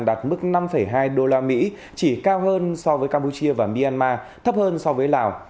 đạt mức năm hai usd chỉ cao hơn so với campuchia và myanmar thấp hơn so với lào